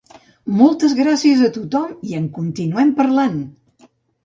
Moltes gràcies a tothom, i en continuem parlant!